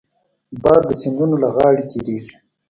باد د سیندونو له غاړې تېرېږي